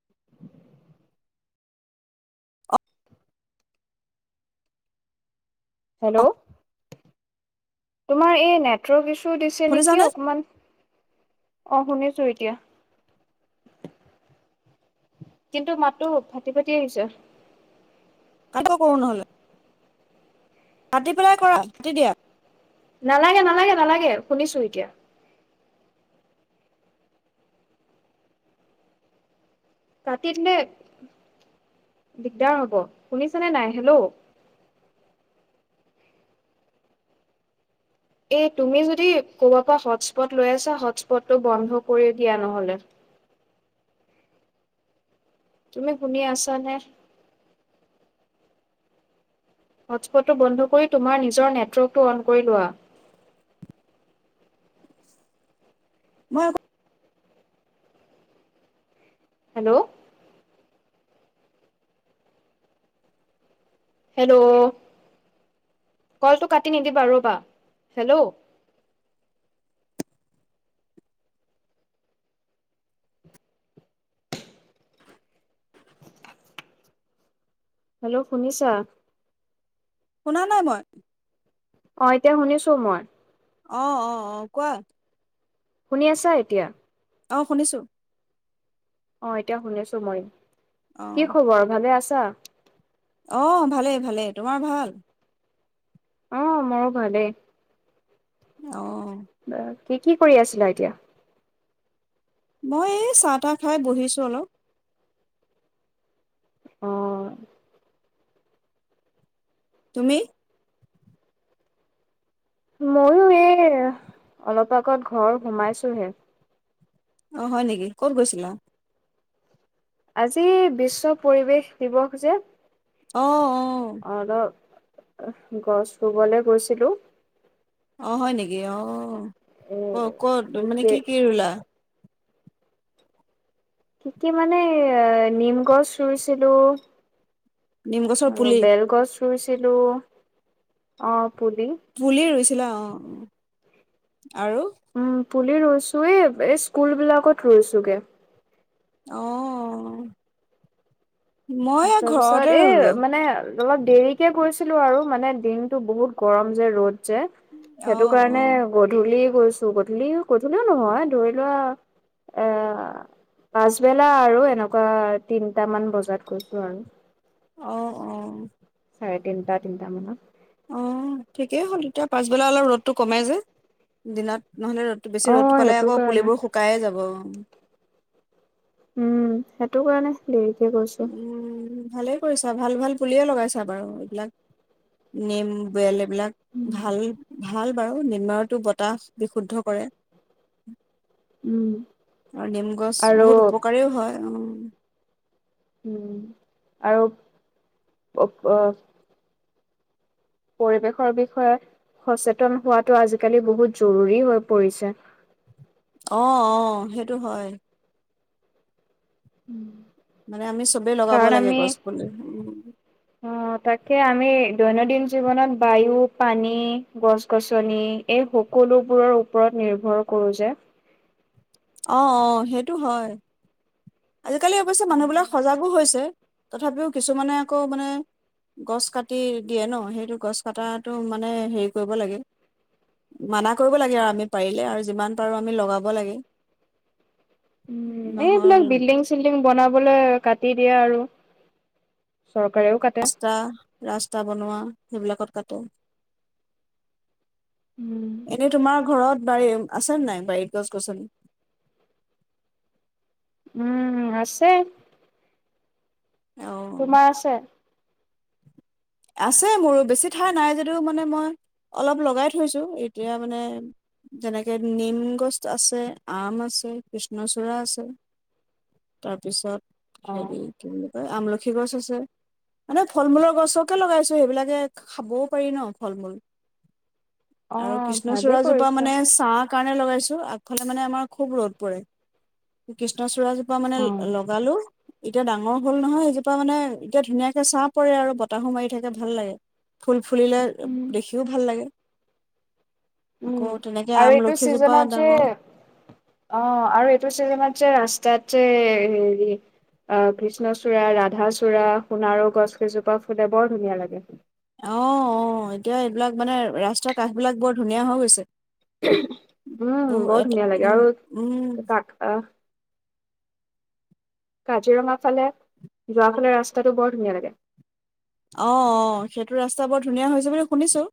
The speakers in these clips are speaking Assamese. উম অ', হেল্ল' তোমাৰ এই নেটৱক ইছো দিছে নেকি শুনিছানে? অকনমান অ শুনিছো এতিয়া কিন্তু মাতো ফাটি ফাটি আহিছে আকৌ কৰো নহলে কাতি পেলাই কৰা কাতি দিয়া নালাগে নালাগে নালাগে শুনিছো এতিয়া কতি দনে দিগদাৰ হব শুনিছানে নাই হেল্ল' এই তুমি যদি ক'বাৰ পৰা হটস্পট লৈ আছা হটস্পটটো বন্ধ কৰি দিয়া নহ'লে। তুমি শুনি আছ নে হটস্পটটো বন্ধ কৰি তোমাৰ নিজৰ নেটৱৰ্কটো অন' কৰি লোৱা ব হেল্ল' হেল্ল' কলটো কাটি নিদিবা ৰ'বা হেল্ল' হেল্ল' শুনিছা? শুনা নাই মই। অ', এতিয়া শুনিছো মই। অ', অ', অ', কোৱা। শুনি আছা এতিয়া? অ', শুনিছো। অ', এতিয়া শুনিছো মই। কি অ', খবৰ? ভালে আছ [unintelligible] অ', ভালেই, ভালেই। তোমাৰ ভাল? অহ, মোৰো ভালেই। অ'। কি, কি কৰি আছিলা এতিয়া? মই এই চাহ, তাহ খাই বহিছোঁ অলপ। অ'। তুমি? ময়ো এই অলপ আগত ঘৰ সোমাইছোহে। অ', হয়, নেকি ক'ত গৈছিলা? আজি বিশ্ব পৰিৱেশ দিৱস যে অ', অ' [unintelligible] গছ ৰুবলৈ গৈছিলোঁ। অ', হয়, নেকি? অ' এ অ', ক'ত মানে কি, কি ৰুলা? কি, কি মানে এ, নিম গছ ৰুইছিলোঁ নিম গছৰ আৰু পুলি, বেলগছ ৰুইছিলোঁ, অ'। পুলি পুলিয়েই ৰুইছিলা? অ' আৰু উম, পুলি ৰুইছোৱে এই স্কুলবিলাকত ৰুইছোগে। অ' মই এ, তাৰপিছত ঘৰতে এই ৰুলোঁ। মানে অলপ দেৰিকে গৈছিলো আৰু মানে দিনটো বহুত গৰম যে, ৰ'দ। যে, অ', সেইটো কাৰণে অ', গধূলি গৈ গধূলি, গধূলিয়ো নহয় ধৰি লোৱা এ, পাচবেলা আৰু এনেকুৱা তিনটামান বজাত গৈ [unintelligible] অহ, অ'। চাৰে, তিনিটা, তিনিটা মানত। অ', ঠিকেই হ'ল, তেতিয়া পাছবেলা অলপ ৰ'দটো কমে যে, দিনত নহ'লে ৰ'দটো বেছি ৰ'দটো অ' পালে সেইটো আকৌ কাৰণে পুলিবোৰ শুকাই যাব। উম, সেইটো কাৰণে দেৰিকে গৈছোঁ। ভালে কৰিছা ভাল-ভাল পুলিয়ে লগাইছা বাৰু এইবিলাক নেম বলে এইবিলাক উম, ভাল। ভাল বাৰু নিময়তো বতাহ বিশুদ্ধ কৰে। উম, আৰু নিম গছ বহুত উপকাৰেও হয়। উম, উম, আৰু [unintelligible] পৰিৱেশৰ বিষয়ে সচেতন হোৱাটো আজিকালি বহুত জৰুৰী হৈ পৰিছে। অ', -অ', সেইটো হয়। উম, মানে আমি চবেই লগাব কাৰণ লাগে আমি গছ পুলি উম, অ', তাকে আমি দৈনন্দিন জীৱনত বায়ু পানী গছ-গছনি এই সকলোবোৰৰ ওপৰত নিৰ্ভৰ কৰো যে। অ', -অ', সেইটো হয়। আজিকালি অৱশ্যে মানুহবিলাক সজাগো হৈছে। তথাপিও কিছুমানে আকৌ মানে গছ কাটি দিয়ে ন সেইটো গছ কটাটো মানে, হেৰি কৰিব লাগে মানা কৰিব লাগে আৰু আমি পাৰিলে আৰু যিমান পাৰোঁ আমি লগাব লাগে। উম, নহ'ল এইবিলাক বিল্ডিংছ ডিং বনাবলৈ কাটি দিয়ে আৰু চৰকাৰেও কাটে। ৰাস্তা, ৰাস্তা বনোৱা। সেইবিলাকত কাটো। উম, এনে তোমাৰ ঘৰত বাৰীত আছে নে নাই বাৰীত গছ গছনি? উম আছে। অ তোমাৰ আছে? আছে মোৰো বেছি ঠাই নাই যদিও মানে মই অলপ লগাই থৈছো এতিয়া মানে যেনেকে নিম গছ আছে, আম আছে কৃষ্ণচূড়া আছে তাৰপিছত অ', সৰি আমলখি গছ আছে। মানে ফল মূলৰ গছ [inaudible] কে লগাইছো সেইবিলাকে খাবও পাৰি ন ফল মূল। আৰু অ' ভালেই কৃষ্ণচূড়া জোপা কৰিছা। মানে চাহ কাৰণে লগাইছো আগফালে মানে আমাৰ খুব ৰ'দ পৰে কৃষ্ণচূড় মানে অ', লগালো। এতিয়া ডাঙৰ হ'ল নহয় এজোপা মানে এতিয়া ধুনীয়াকে চাহ পৰে আৰু বতাহু মাৰি থাকে ভাল লাগে ফুল ফুলিলে উম, দেখিও ভাল লাগে আকৌ উম তেনেকে আৰু এইটো আমলখিজোপা চিজনত ডাঙৰ যে অ অ আৰু এইটো ছিজনত যে ৰাস্তাত হেৰি অ কৃষ্ণচূড়া ৰাধা চূড়া সোণাৰো গছ কেইজোপা ফুলে বৰ ধুনীয়া লাগে ফ অ অ এতিয়া এইবিলাক মানে ৰাস্তাৰ কাষ বিলাক বৰ ধুনীয়া হৈ গৈছে উম, বহু বৰ এটা ধুনীয়া লাগে উম আৰু উম তাক আহ কাজিৰঙা ফালে যোৱা ফালে ৰাস্তাটো বৰ ধুনীয়া লাগে। অ', অ', সেইটো ৰাস্তা বৰ ধুনীয়া হৈছে বুলি শুনিছোঁ।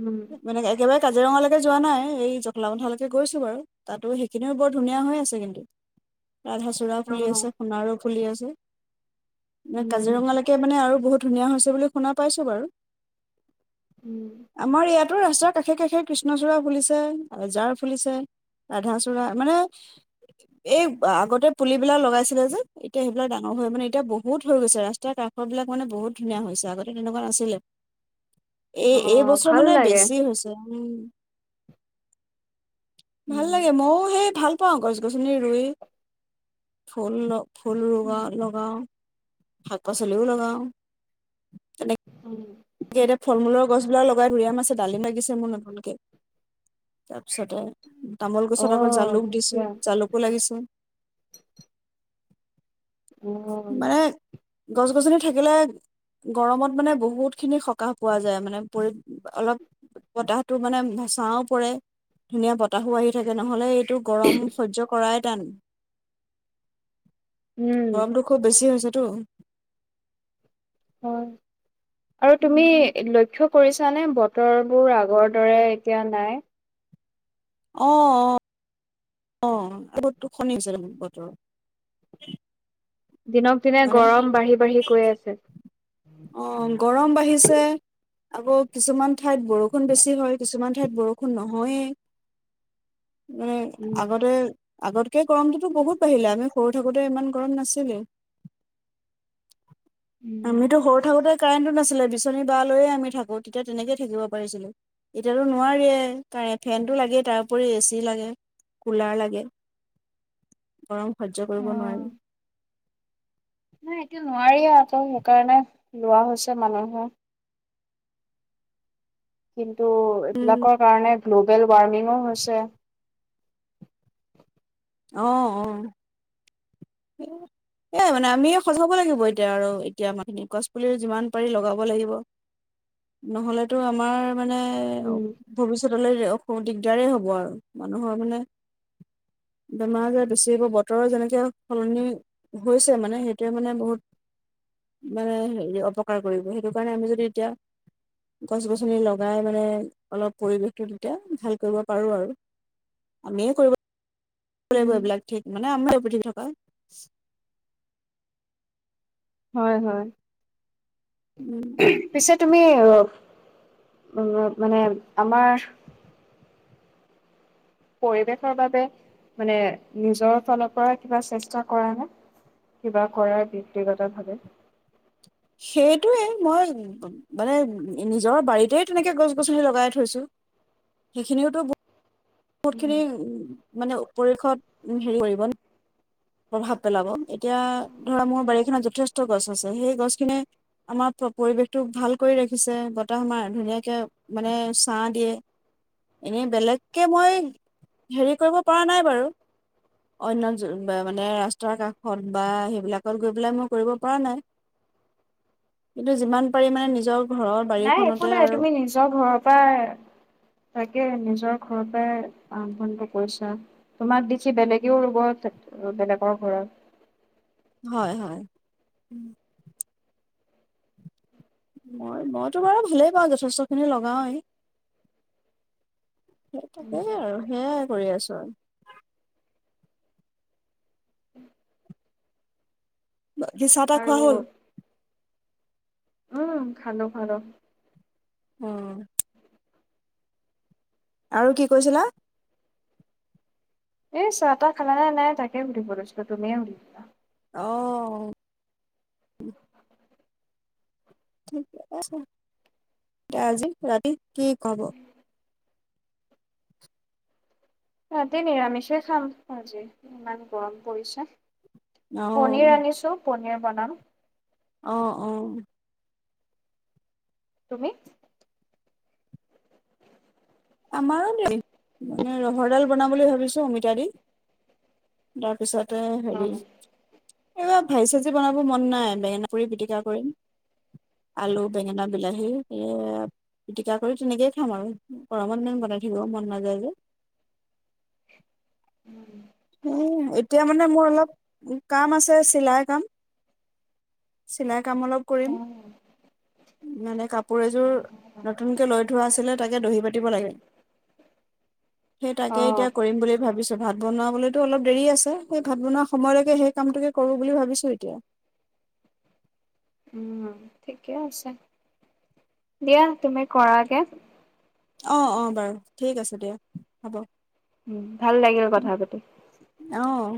উম মানে একেবাৰে কাজিৰঙালৈকে যোৱা নাই, এই জখলাবন্ধা লৈকে গৈছো বাৰু তাতো সেইখিনিও বৰ ধুনীয়া হৈ আছে কিন্তু। ৰাধাচূড়া ফুলি অ আছে, সোণাৰো। ফুলি আছে। নে উম কাজিৰঙালেকে আৰু বহুত ধুনীয়া হৈছে বুলি শুনা পাইছোঁ বাৰু। উম। আমাৰ ইয়াতো ৰাস্তাৰ কাষে, কাষে কৃষ্ণচূড়া ফুলিছে, এজাৰ ফুলিছে, ৰাধাচূড়া মানে এই আগতে পুলিবিলাক লগাইছিলে যে, এতিয়া সেইবিলাক ডাঙৰ হৈ মানে এতিয়া বহুত হৈ গৈছে ৰাস্তাৰ কাষ বিলাক মানে বহুত ধুনীয়া হৈছে আগতে তেনেকুৱা নাছিলে। এই, অ এই বছৰ ভাল মানে লাগে বেছি হৈছে। উম। ভাল উম লাগে ময়ো সেই ভাল পাওঁ গছ, গছনি ৰুই, ফুল ফুল ৰুৱা, লগাওঁ শাক, পাচলিও লগাওঁ তেনে উম। এতিয়া ফল মূলৰ গছ বিলাক লগাই মধুৰিআম আছে, ডালিম লাগিছে মোৰ নতুনকে তাৰপিছতে তামোল অ গছত আকৌ জালুক দিছো, বঢ়িয়া জালুকো লাগিছে। মানে [unintelligible] গছ, গছনি থাকিলে গৰমত মানে বহুত খিনি সকাহ পোৱা যায় মানে পৰি অলপ বতাহটো মানে চায়ো পৰে, ধুনীয়া বতাহো আহি থাকে নহ'লে এই টো গৰম সহ্য কৰাই টান উম গৰমটো খুব বেছি হৈছে টো হয়। আৰু তুমি লক্ষ্য কৰিছা নে? বতৰবোৰ আগৰ দৰে এতিয়া নাই। অ', অ' অ', [unintelligible] বতৰ দিনক, দিনে মানে গৰম বাঢ়ি, বাঢ়ি গৈ আছে। অ গৰম বাঢ়িছে আকৌ কিছুমান ঠাইত বৰষুণ বেছি হয়, কিছুমান ঠাইত বৰষুণ নহ হৈয়েই মানে উম। আগতে আগতকে গৰমটোতো বহুত বাঢ়িলে আমি সৰু থাকোতে ইমান গৰম নাছিলে আমিতো সৰু থাকোতে কাৰেণ্টটো নাছিলে বিচনী ডাল লৈয়ে আমি থাকোঁ তেতিয়া তেনেকয়ে থাকিব পাৰিছিলো এতিয়াতো নোৱাৰিযে কাৰে ফেনটো লাগেই তাৰপৰি এ চি লাগে কুলাৰ লাগে গৰম সহ্য কৰিব নোৱাৰি নাই এতিয়াটো নোৱাৰি আকৌ সেইকাৰণে লোৱা হৈছে মানুহৰ কিম টো উম এইবিলাকৰ কাৰণে গ্ল'বেল ৱাৰ্মিঙো হৈছে অহ আহ সেইয়াই মানে আমি সজাব লাগিব এতিয়া আৰু এতিয়া আমাৰ খিনি গছ পুলি যিমান পাৰি লগাব লাগিব নহলেতো আমাৰ মানে উম, ভবিষ্যত পত দিগদাৰে হ'ব আৰু মানুহৰ মানে বেমাৰ আজাৰ বেছি হব বতৰৰ যেনেকে সলনি হৈছে মানে সেইটোৱে মানে বহুত মানে হেৰি অপকাৰ কৰিব সেইটো কাৰণে আমি যদি এতিয়া গছ গছনি লগাই মানে অলপ পৰিৱেশটো তেতিয়া ভাল কৰিব পাৰো আৰু আমিয়ে কৰিব উম, বিলাক ঠিক মানে কথা কয় হয় হয় উম পিছত তুমি উ মানে আমাৰ পৰিৱেশৰ বাবে মানে নিজৰ ফালৰ পৰা কিবা চেষ্টা কৰা নাই কিবা কৰাৰ ব্যক্তিগত ভাৱে সেইটোৱেই মই মানে নিজৰ বাৰীতেই তেনেকে গছ গছনি লগাই থৈছো সেইখিনিওতো মোৰখিনি উ মানে পৰিৱেশত হেৰি কৰিব প্ৰভাৱ পেলাব এতিয়া ধৰা মোৰ বাৰীখনত প্ৰভাৱ পেলাব যথেষ্ট গছ আছে সেই গছখিনি আমাৰ পৰিৱেশটো ভাল কৰি ৰাখিছে বতাহ আমাৰ ধুনীয়াকে মানে ছাঁ দিয়ে এনেই বেলেগ তাকে মই হেৰি কৰিব পৰা নাই বাৰু অন্য মানে ৰাস্তাৰ কাষত বা সেইবিলাকত গৈ পেলাই মই কৰিব পৰা নাই কিন্তু যিমান পাৰি মানে নিজৰ ঘৰৰ নাই একো বাৰীখনতে নাই আৰু তুমি নিজৰ ঘৰৰ পৰা তাকে নি নিজৰ ঘৰ পৰাই আৰম্ভণিটো কৰিছা তোমাক দিখি বেলেগেও ৰুব বেলেগৰ ঘৰত হয় হয় মই মইতো বাৰু ভালেই পাওঁ যথেষ্ট খিনি লগাও এই সেই উম, থাকেই আৰু সেয়াই কৰি আছো আৰু চাহ তা আৰু খোৱা হ'ল উম খালো খালো অহ আৰু কি কৈছিলা এই চাহ তা খালা নে নাই তাকে সুধিব লৈছো তুমিয়ে সুধিবা অ ঠিকে আছে ত আজি যাবি কি কব ৰাতি নিৰামিষে খাম আজি ইমান গৰম পৰিছে পনিৰ অ', আনিছো পনিৰ বনাম অহ অহ‌ তুমি আমাৰো দেই মানে ৰহৰডাল বনাম বুলি ভাবিছোঁ অমিতা দি তাৰপিছত ত অ হেৰি এইব ভাজি চাজি বনাব মন নাই বেঙেনা কৰি পিটিকা কৰিম আলু বেঙেনা বিলাহী এই পিটিকা কৰি তেনেকেই খাম আৰু গৰমত ইমান বনাই থাকিব মন নাযায় যে উম উম এতিয়া মানে মোৰ অলপ কাম আছে চিলাই কাম চিলাই কাম অলপ কৰিম মানে কাপোৰ এযোৰ নতুনকে লৈ থোৱা আছিলে তাকে দহি পাতিব লাগে সেই তাকে এতিয়া কৰিম বুলি ভাবিছো ভাত বনাবলৈতো অলপ দেৰি আছে সেই ভাত বনোৱা সময়লৈকে সেই কামটোকে কৰো বুলি ভাবিছো এতিয়া উম ঠিকে আছে দিয়া তুমি কৰা গে অ অ বাৰু ঠিক আছে দিয়া হ'ব উ ভাল লাগিব কথা পাতি অ